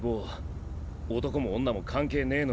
男も女も関係ねぇのに。